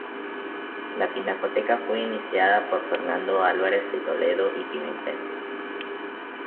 La pinacoteca fue iniciada por Fernando Álvarez de Toledo y Pimentel.